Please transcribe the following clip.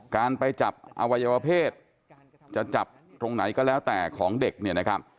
การไปจับอวัยวเพศจะจับตรงไหนก็แล้วแต่ของเด็กเนี่ยนะครับ